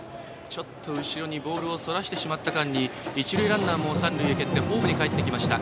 ちょっと後ろにボールをそらしてしまった間に一塁ランナーも三塁を蹴ってホームにかえってきました。